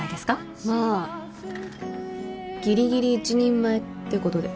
まあぎりぎり一人前ってことで。